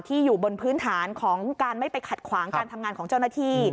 อยู่บนพื้นฐานของการไม่ไปขัดขวางการทำงานของเจ้าหน้าที่